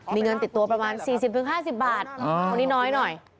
มีเงินติดตัวประมาณ๔๐๕๐บาทคนนี้น้อยหน่อย